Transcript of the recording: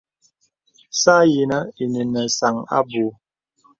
Sa yinə īnə nə sāŋ aboui.